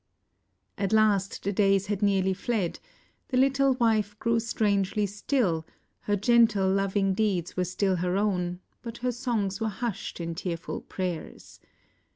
At last the days had nearly fled — the Httle wife grew strangely still; her gentle, lo\ ing deeds were stiU her own, but her songs were hushed in tearful prayers.